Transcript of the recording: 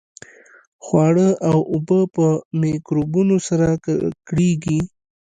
خواړه او اوبه په میکروبونو سره ککړېږي.